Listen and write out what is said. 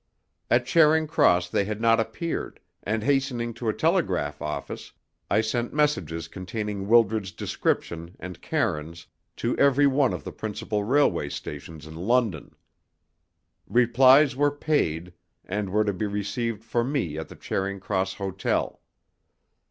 At Charing Cross they had not appeared, and hastening to a telegraph office, I sent messages containing Wildred's description and Karine's to every one of the principal railway stations in London. Replies were paid, and were to be received for me at the Charing Cross Hotel.